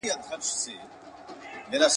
په لښکر د مریدانو کي روان وو `